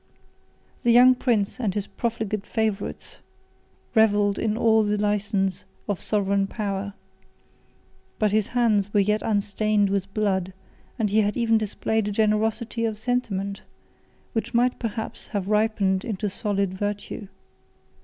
The young prince and his profligate favorites revelled in all the license of sovereign power; but his hands were yet unstained with blood; and he had even displayed a generosity of sentiment, which might perhaps have ripened into solid virtue.